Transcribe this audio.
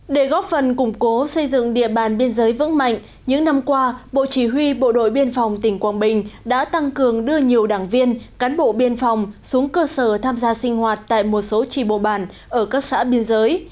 để góp phần củng cố xây dựng địa bàn biên giới vững mạnh những năm qua bộ chỉ huy bộ đội biên phòng tỉnh quảng bình đã tăng cường đưa nhiều đảng viên cán bộ biên phòng xuống cơ sở tham gia sinh hoạt tại một số trì bồ bản ở các xã biên giới